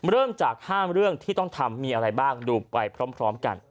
เริ่มจาก๕เรื่องที่ต้องทำมีอะไรบ้างดูไปพร้อมกัน